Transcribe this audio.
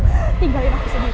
tinggalin aku sendiri